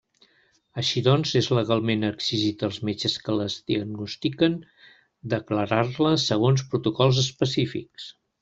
Així doncs és legalment exigit als metges que les diagnostiquen declarar-les segons protocols específics.